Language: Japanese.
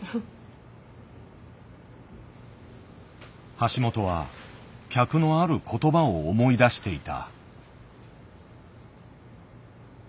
橋本は客のある言葉を思い出していた。